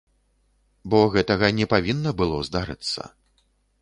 Бо гэтага не павінна было здарыцца.